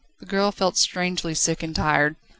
The girl felt strangely sick and tired.